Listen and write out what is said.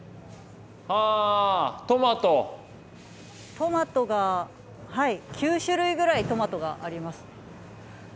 トマトが９種類ぐらいトマトがあります。